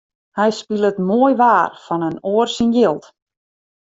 Hy spilet moai waar fan in oar syn jild.